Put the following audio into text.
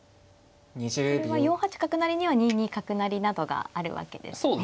これは４八角成には２二角成などがあるわけですね。